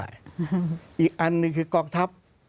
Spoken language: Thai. อีกอันคือกองทัพ